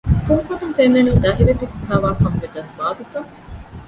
ތުންފަތުން ފެންނަނީ ދަހިވެތި ވެފައިވާކަމުގެ ޖަޒުބާތުތައް